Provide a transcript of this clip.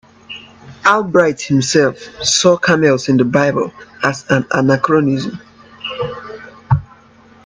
Albright himself saw camels in the Bible as an anachronism.